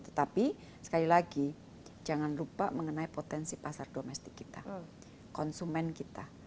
tetapi sekali lagi jangan lupa mengenai potensi pasar domestik kita konsumen kita